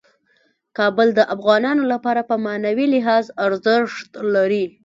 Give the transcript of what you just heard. کابل د افغانانو لپاره په معنوي لحاظ ارزښت لري.